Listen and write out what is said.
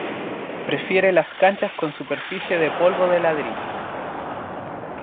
Prefiere las canchas con superficie de polvo de ladrillo.